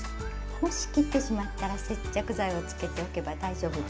もし切ってしまったら接着剤をつけておけば大丈夫です。